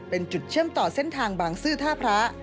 เป็นจุดเชื่อมต่อเส้นทางบางซื่อท่าพระ